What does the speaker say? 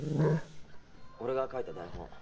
俺が書いた台本。